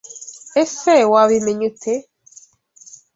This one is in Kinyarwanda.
Ese Wabimenya ute?